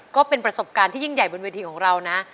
ก็เป็นประสบการณ์ที่ยิ่งใหญ่บนเวทีของเรานะ